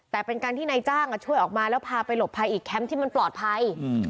แต่เป็นการที่นายจ้างช่วยออกมาแล้วพาไปหลบภัยอีกแคมป์ที่มันปลอดภัย